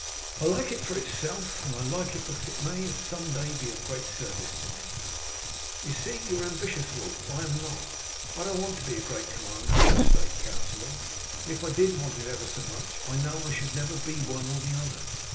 "I like it for itself, and I like it because it may some day be of great service to me." "You see you are ambitious, Wulf, and I am not. I don't want to be a great commander or a state councillor, and if I did want it ever so much I know I should never be one or the other.